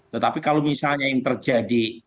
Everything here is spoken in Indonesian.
tetapi kalau misalnya yang terjadi